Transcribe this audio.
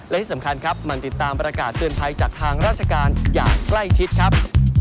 และที่สำคัญครับมันติดตามประกาศเตือนภัยจากทางราชการอย่างใกล้ชิดครับ